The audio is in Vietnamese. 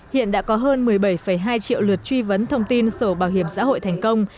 hiện đã có hơn một mươi bảy hai triệu lượt truy vấn thông tin sổ bảo hiểm xã hội thành công